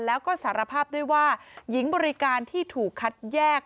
แล้วก็สารภาพด้วยว่าหญิงบริการที่ถูกคัดแยก